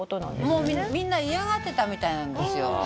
もうみんな嫌がってたみたいなんですよ。